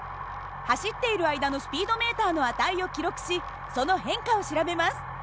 走っている間のスピードメーターの値を記録しその変化を調べます。